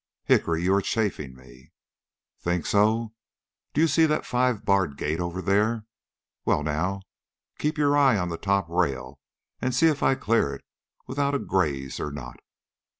"Hickory, you are chaffing me." "Think so? Do you see that five barred gate over there? Well, now keep your eye on the top rail and see if I clear it without a graze or not."